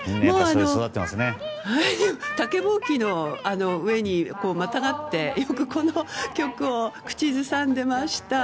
竹ぼうきの上にまたがってよくこの曲を口ずさんでいました。